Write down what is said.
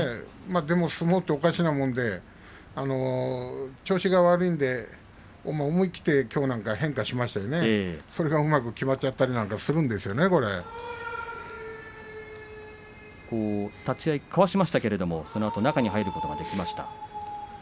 でも相撲っておかしなもので調子が悪いので思い切って、きょうなんか変化しましたね、それがうまく立ち合いはしましたがそのあと中に入ることができました。